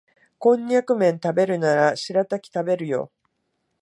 コンニャクめん食べるならシラタキ食べるよ